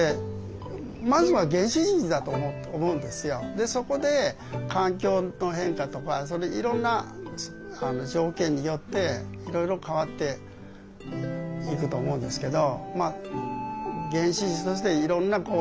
でそこで環境の変化とかいろんな条件によっていろいろ変わっていくと思うんですけど。